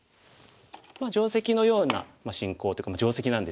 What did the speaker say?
定石のような進行というか定石なんですけれども。